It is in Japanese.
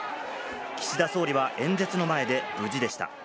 岸田総理は演説の前で無事でした。